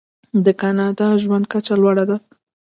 د کاناډا ژوند کچه لوړه ده.